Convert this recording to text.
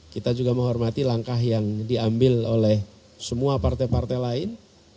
kita juga menghormati langkah yang diambil oleh semua partai partai lain